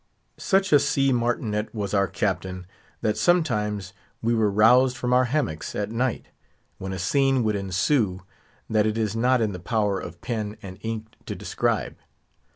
Such a sea martinet was our Captain, that sometimes we were roused from our hammocks at night; when a scene would ensue that it is not in the power of pen and ink to describe.